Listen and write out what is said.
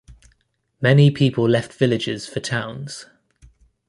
Many people left villages for towns.